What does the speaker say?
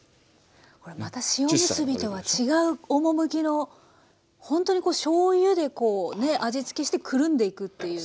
これまた塩むすびとは違う趣のほんとにこうしょうゆで味つけしてくるんでいくっていう。